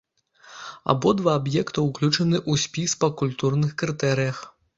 Абодва аб'екта ўключаны ў спіс па культурных крытэрыях.